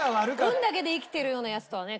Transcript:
運だけで生きてるようなヤツとはね。